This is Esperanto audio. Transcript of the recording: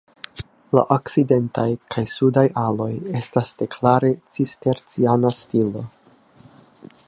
La okcidentaj kaj sudaj aloj estas de klare cisterciana stilo.